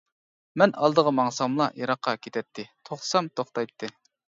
مەن ئالدىغا ماڭساملا يىراققا كېتەتتى، توختىسام توختايتتى.